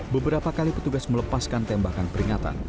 beberapa kali petugas melepaskan tembakan peringatan